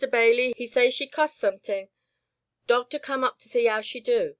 Bailey, he say she cos' someting. Doctor come up to see 'ow she do.